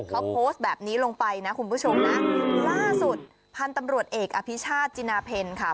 เขาโพสต์แบบนี้ลงไปนะคุณผู้ชมนะล่าสุดพันธุ์ตำรวจเอกอภิชาติจินาเพลค่ะ